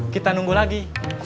kita nunggu lagi